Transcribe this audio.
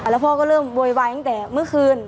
แล้วพ่อก็เริ่มโวยวายตั้งแต่เมื่อคืน